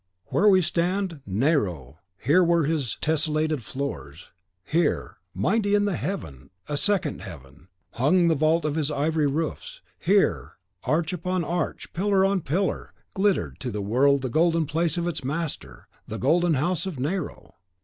Where we stand reigned Nero, here were his tessellated floors; here, "Mighty in the heaven, a second heaven," hung the vault of his ivory roofs; here, arch upon arch, pillar on pillar, glittered to the world the golden palace of its master, the Golden House of Nero.